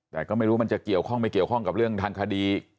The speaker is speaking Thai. แต่ก็ไม่รู้มันจะเกี่ยวข้องไม่เกี่ยวข้องกับเรื่องทางคดี